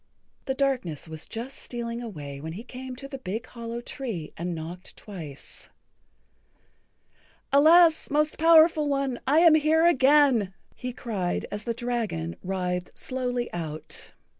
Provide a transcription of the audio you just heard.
The darkness was just stealing away when he came to the big hollow tree and knocked twice. "Alas, Most Powerful One, I am here again," he cried, as the dragon writhed[Pg 68] slowly out.